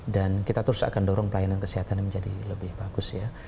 dan kita terus akan dorong pelayanan kesehatan menjadi lebih bagus ya